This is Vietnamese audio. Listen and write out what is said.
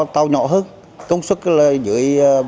tàu nhỏ hơn công suất là dưới